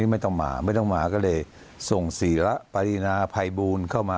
ไม่ต้องมาไม่ต้องมาก็เลยส่งศีระปรินาภัยบูลเข้ามา